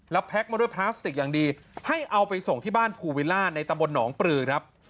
แล้วแพ็คมาด้วยพลาสติกอย่างดีให้เอาไปส่งที่บ้านภูวิลล่าในตำบลหนองปลือครับ